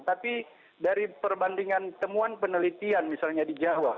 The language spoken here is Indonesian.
tapi dari perbandingan temuan penelitian misalnya di jawa